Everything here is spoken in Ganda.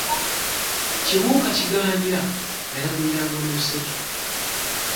Kibuuka Kigaanira yalaguliranga mu luseke.